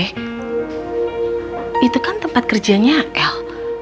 itu kan tempat kerjanya el